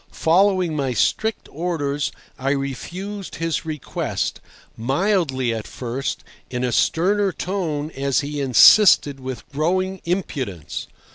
Following my strict orders, I refused his request, mildly at first, in a sterner tone as he insisted with growing impudence.